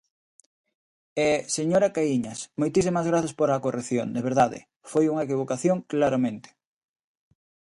E, señora Caíñas, moitísimas grazas pola corrección, de verdade, foi unha equivocación claramente.